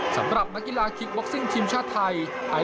สำหรับนักกีฬาคิกบ็อกซิ่งทีมชาติไทย